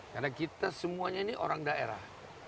karena kita semuanya ini orang daerah